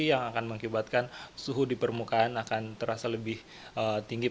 yang akan mengakibatkan suhu di permukaan akan terasa lebih tinggi